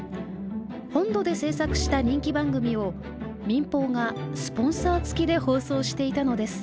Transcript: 本土で制作した人気番組を民放がスポンサーつきで放送していたのです。